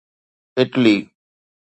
Italy